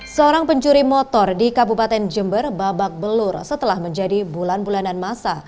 seorang pencuri motor di kabupaten jember babak belur setelah menjadi bulan bulanan masa